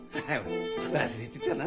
忘れてたな。